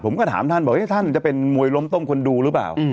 ผมก็ถามท่านบอกท่านจะเป็นมวยล้มต้มคนดูหรือเปล่า